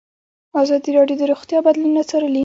ازادي راډیو د روغتیا بدلونونه څارلي.